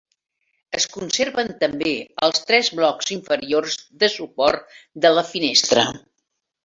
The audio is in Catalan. Es conserven també els tres blocs inferiors de suport de la finestra.